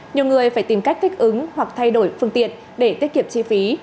nhiều người phải tìm cách thích ứng hoặc thay đổi phương tiện để tiết kiệm chi phí